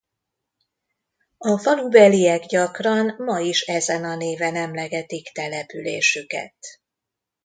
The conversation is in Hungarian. A falubeliek gyakran ma is ezen a néven emlegetik településüket.